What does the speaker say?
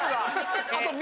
あと。